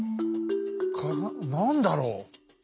何だろう？